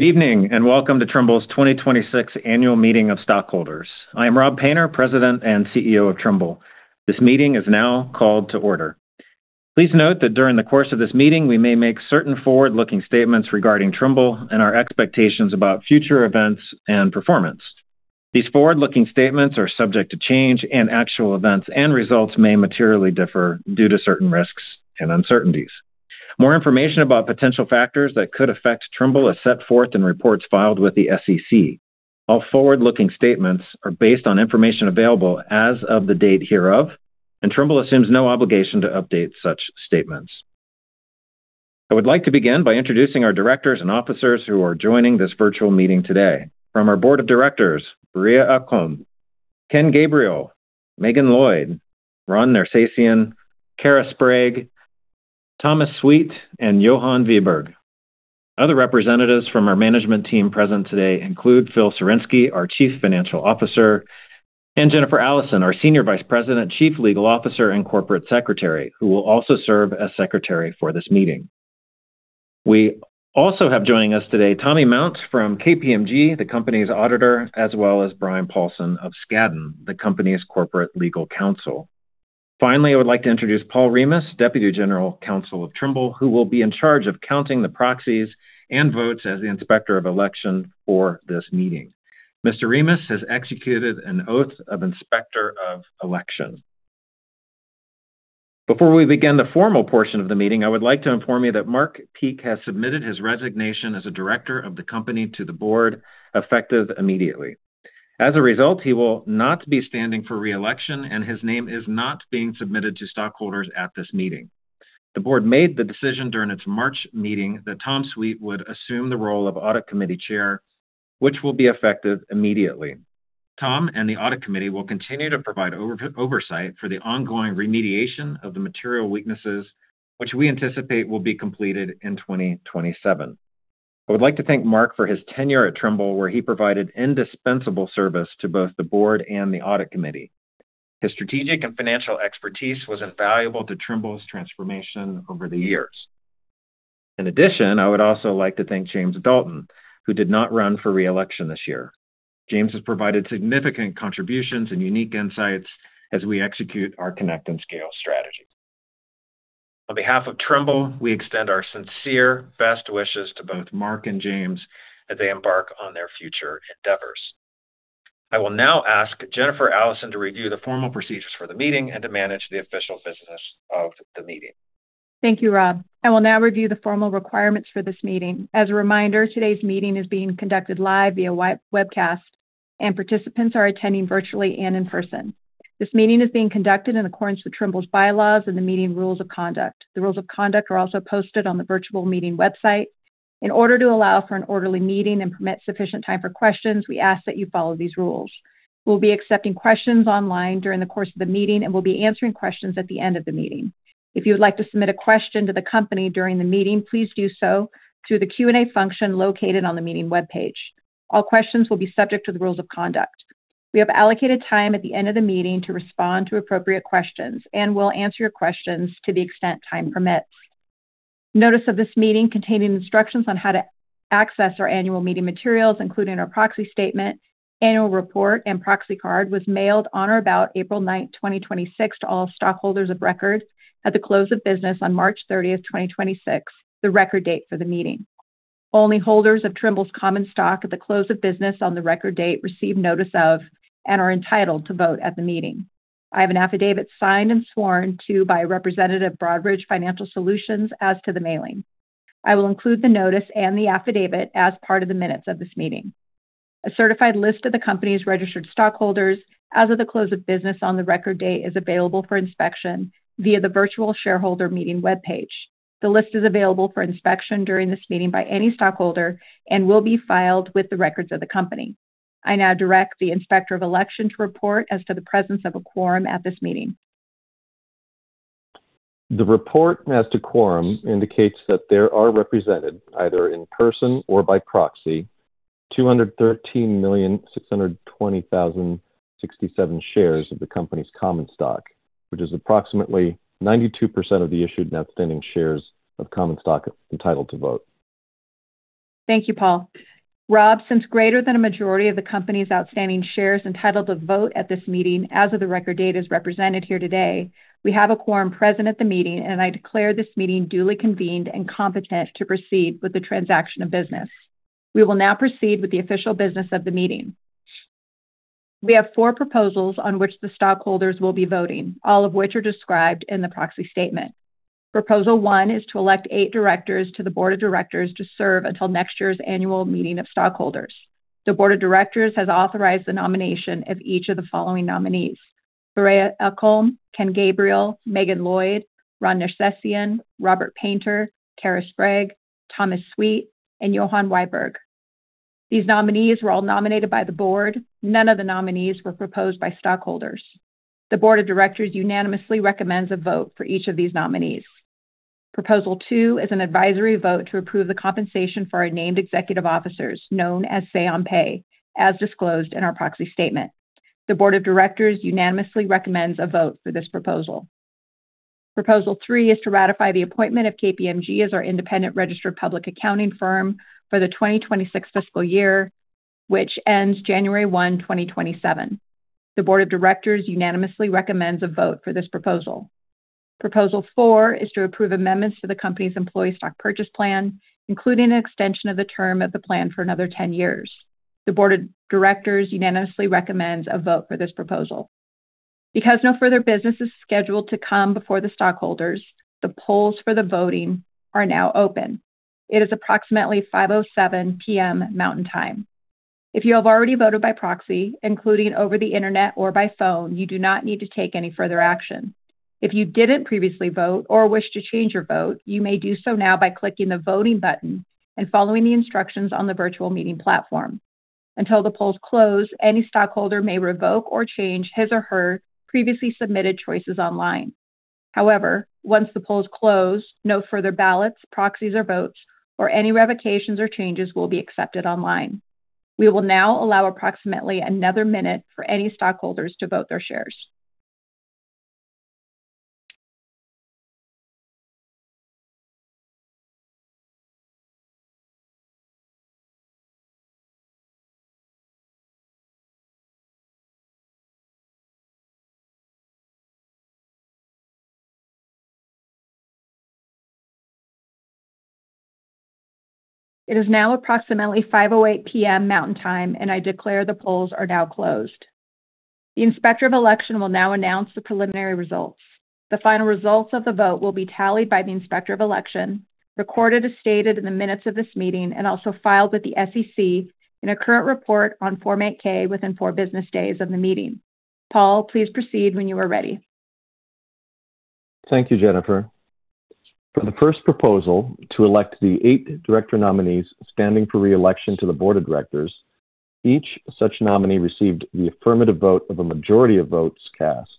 Good evening, and welcome to Trimble's 2026 Annual Meeting of Stockholders. I am Rob Painter, President and CEO of Trimble. This meeting is now called to order. Please note that during the course of this meeting, we may make certain forward-looking statements regarding Trimble and our expectations about future events and performance. These forward-looking statements are subject to change, and actual events and results may materially differ due to certain risks and uncertainties. More information about potential factors that could affect Trimble is set forth in reports filed with the SEC. All forward-looking statements are based on information available as of the date hereof, and Trimble assumes no obligation to update such statements. I would like to begin by introducing our directors and officers who are joining this virtual meeting today. From our board of directors, Börje Ekholm, Ken Gabriel, Meaghan Lloyd, Ron Nersesian, Kara Sprague, Thomas Sweet, and Johan Wibergh. Other representatives from our management team present today include Phil Sawarynski, our Chief Financial Officer, and Jennifer Allison, our Senior Vice President, Chief Legal Officer, and Corporate Secretary, who will also serve as Secretary for this meeting. We also have joining us today Tommy Mount from KPMG, the company's auditor, as well as Brian Paulson of Skadden, the company's corporate legal counsel. Finally, I would like to introduce Paul Rimas, Deputy General Counsel of Trimble, who will be in charge of counting the proxies and votes as the Inspector of Election for this meeting. Mr. Rimas has executed an oath of Inspector of Election. Before we begin the formal portion of the meeting, I would like to inform you that Mark Peek has submitted his resignation as a Director of the company to the Board, effective immediately. As a result, he will not be standing for re-election, and his name is not being submitted to stockholders at this meeting. The Board made the decision during its March meeting that Tom Sweet would assume the role of Audit Committee Chair, which will be effective immediately. Thomas and the Audit Committee will continue to provide oversight for the ongoing remediation of the material weaknesses, which we anticipate will be completed in 2027. I would like to thank Mark for his tenure at Trimble, where he provided indispensable service to both the Board and the Audit Committee. His strategic and financial expertise was invaluable to Trimble's transformation over the years. In addition, I would also like to thank James Dalton, who did not run for re-election this year. James has provided significant contributions and unique insights as we execute our Connect and Scale strategy. On behalf of Trimble, we extend our sincere best wishes to both Mark and James as they embark on their future endeavors. I will now ask Jennifer Allison to review the formal procedures for the meeting and to manage the official business of the meeting. Thank you, Rob. I will now review the formal requirements for this meeting. As a reminder, today's meeting is being conducted live via webcast, and participants are attending virtually and in person. This meeting is being conducted in accordance with Trimble's bylaws and the meeting rules of conduct. The rules of conduct are also posted on the virtual meeting website. In order to allow for an orderly meeting and permit sufficient time for questions, we ask that you follow these rules. We'll be accepting questions online during the course of the meeting and will be answering questions at the end of the meeting. If you would like to submit a question to the company during the meeting, please do so through the Q&A function located on the meeting webpage. All questions will be subject to the rules of conduct. We have allocated time at the end of the meeting to respond to appropriate questions and will answer your questions to the extent time permits. Notice of this meeting containing instructions on how to access our annual meeting materials, including our proxy statement, annual report, and proxy card, was mailed on or about April 9th, 2026, to all stockholders of record at the close of business on March 30th, 2026, the record date for the meeting. Only holders of Trimble's common stock at the close of business on the record date received notice of and are entitled to vote at the meeting. I have an affidavit signed and sworn to by a representative of Broadridge Financial Solutions as to the mailing. I will include the notice and the affidavit as part of the minutes of this meeting. A certified list of the company's registered stockholders as of the close of business on the record date is available for inspection via the virtual shareholder meeting webpage. The list is available for inspection during this meeting by any stockholder and will be filed with the records of the company. I now direct the inspector of election to report as to the presence of a quorum at this meeting. The report as to quorum indicates that there are represented, either in person or by proxy, 213,620,067 shares of the company's common stock, which is approximately 92% of the issued and outstanding shares of common stock entitled to vote. Thank you, Paul. Rob, since greater than a majority of the company's outstanding shares entitled to vote at this meeting as of the record date is represented here today, we have a quorum present at the meeting, and I declare this meeting duly convened and competent to proceed with the transaction of business. We will now proceed with the official business of the meeting. We have four proposals on which the stockholders will be voting, all of which are described in the proxy statement. Proposal one is to elect eight directors to the Board of Directors to serve until next year's Annual Meeting of Stockholders. The Board of Directors has authorized the nomination of each of the following nominees: Börje Ekholm, Kaigham Gabriel, Meaghan Lloyd, Ron Nersesian, Robert Painter, Kara Sprague, Thomas Sweet, and Johan Wibergh. These nominees were all nominated by the Board. None of the nominees were proposed by stockholders. The board of directors unanimously recommends a vote for each of these nominees. Proposal two is an advisory vote to approve the compensation for our named executive officers, known as say on pay, as disclosed in our proxy statement. The board of directors unanimously recommends a vote for this proposal. Proposal three is to ratify the appointment of KPMG as our independent registered public accounting firm for the 2026 fiscal year, which ends January 1, 2027. The board of directors unanimously recommends a vote for this proposal. Proposal four is to approve amendments to the company's employee stock purchase plan, including an extension of the term of the plan for another 10 years. The board of directors unanimously recommends a vote for this proposal. Because no further business is scheduled to come before the stockholders, the polls for the voting are now open. It is approximately 5:07 P.M. Mountain Time. If you have already voted by proxy, including over the internet or by phone, you do not need to take any further action. If you didn't previously vote or wish to change your vote, you may do so now by clicking the voting button and following the instructions on the virtual meeting platform. Until the polls close, any stockholder may revoke or change his or her previously submitted choices online. Once the polls close, no further ballots, proxies, or votes, or any revocations or changes will be accepted online. We will now allow approximately another minute for any stockholders to vote their shares. It is now approximately 5:08 P.M. Mountain Time, and I declare the polls are now closed. The Inspector of Election will now announce the preliminary results. The final results of the vote will be tallied by the Inspector of Election, recorded as stated in the minutes of this meeting, and also filed with the SEC in a current report on Form 8-K within four business days of the meeting. Paul, please proceed when you are ready. Thank you, Jennifer. For the first proposal, to elect the eight director nominees standing for re-election to the board of directors, each such nominee received the affirmative vote of a majority of votes cast.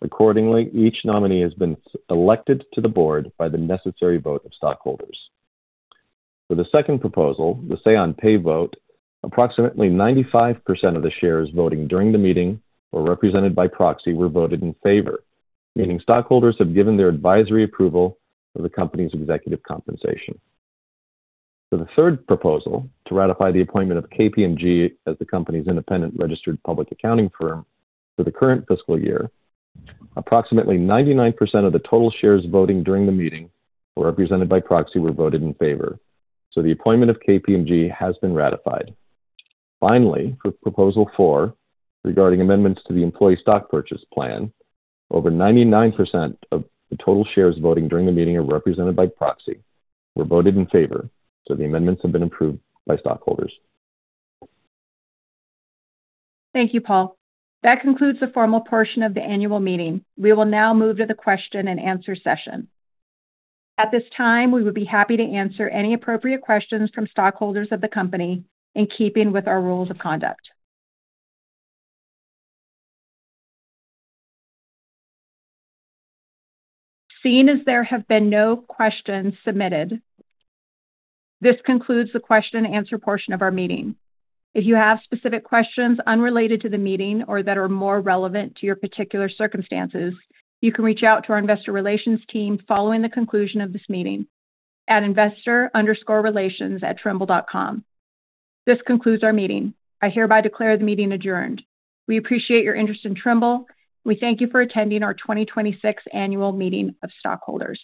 Accordingly, each nominee has been elected to the board by the necessary vote of stockholders. For the second proposal, the say on pay vote, approximately 95% of the shares voting during the meeting or represented by proxy were voted in favor, meaning stockholders have given their advisory approval of the company's executive compensation. For the third proposal, to ratify the appointment of KPMG as the company's independent registered public accounting firm for the current fiscal year, approximately 99% of the total shares voting during the meeting or represented by proxy were voted in favor. The appointment of KPMG has been ratified. Finally, for proposal four, regarding amendments to the employee stock purchase plan, over 99% of the total shares voting during the meeting or represented by proxy were voted in favor. The amendments have been approved by stockholders. Thank you, Paul. That concludes the formal portion of the annual meeting. We will now move to the question and answer session. At this time, we would be happy to answer any appropriate questions from stockholders of the company in keeping with our rules of conduct. Seeing as there have been no questions submitted, this concludes the question and answer portion of our meeting. If you have specific questions unrelated to the meeting or that are more relevant to your particular circumstances, you can reach out to our investor relations team following the conclusion of this meeting at investor_relations@trimble.com. This concludes our meeting. I hereby declare the meeting adjourned. We appreciate your interest in Trimble. We thank you for attending our 2026 Annual Meeting of Stockholders.